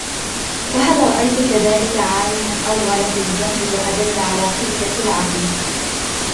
فَهَلْ رَأَيْت كَذَلِكَ عَالِمًا أَوْغَلَ فِي الْجَهْلِ ، وَأَدَلَّ عَلَى قِلَّةِ الْعَقْلِ